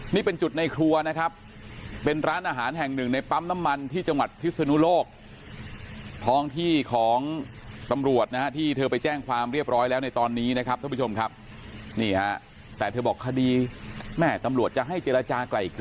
นี่เป็นจุดในครัวนะครับเป็นร้านอาหารแห่งหนึ่งในปั๊มน้ำมันที่จังหวัดพิศนุโลก